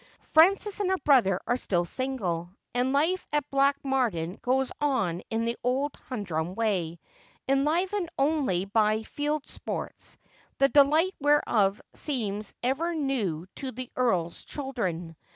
Frances and her brother are still single, and life at Blatch mardean goes on in the old humdrum way, enlivened only by field sports, the delight whereof seems ever new to the earl's children.